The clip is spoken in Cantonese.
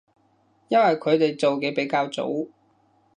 因為佢哋做嘅比較早